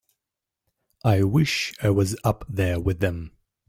I wish I was up there with them.